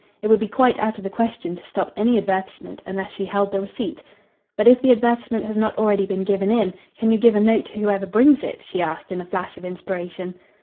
It would be quite out of the question to stop any advertisement unless she held the receipt. "But if the advertisement has not already been given in, can you give a note to whoever brings it?" she asked, in a flash of inspiration.